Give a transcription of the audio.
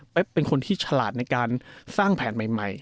เป็นคนที่ฉลาดในการสร้างแผนใหม่